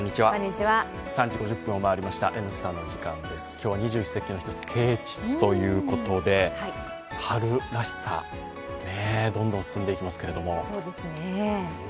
今日は二十四節気の１つ、啓蟄ということで、春らしさ、どんどん進んでいきますけれども。